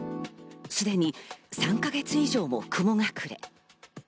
すでに３か月以上も雲隠れ。